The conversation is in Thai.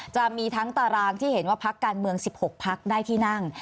จะมีทั้งตารางที่เห็นว่าพักการเมือง๑๖พักได้ที่นั่ง